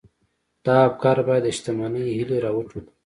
دا افکار بايد د شتمنۍ هيلې را وټوکوي.